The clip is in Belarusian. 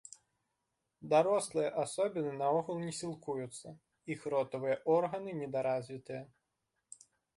Дарослыя асобіны наогул не сілкуюцца, іх ротавыя органы недаразвітыя.